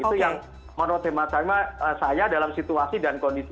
itu yang menurut tema saya dalam situasi dan kondisi